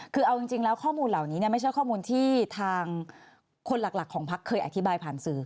คือเอาจริงแล้วข้อมูลเหล่านี้ไม่ใช่ข้อมูลที่ทางคนหลักของพักเคยอธิบายผ่านสื่อ